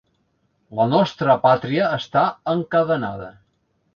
La nostra pàtria està encadenada.